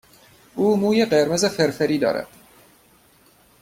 او موی قرمز فرفری دارد.